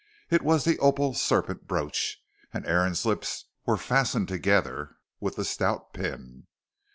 It was the opal serpent brooch, and Aaron's lips were fastened together with the stout pin.